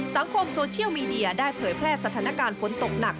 สังคมโซเชียลมีเดียได้เผยแพร่สถานการณ์ฝนตกหนัก